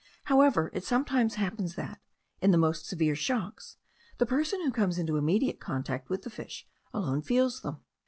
However, it sometimes happens that, in the most severe shocks, the person who comes into immediate contact with the fish alone feels them.